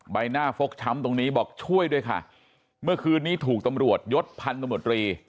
ใบหน้าฟกช้ำตรงนี้บอกช่วยด้วยค่ะเมื่อคืนนี้ถูกตำรวจยดพันธมตรี